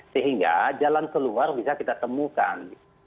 sehingga jalan keluar bisa kita temukan